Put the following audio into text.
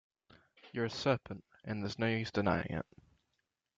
You’re a serpent; and there’s no use denying it.